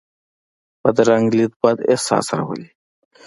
بدرنګه لید بد احساس راولي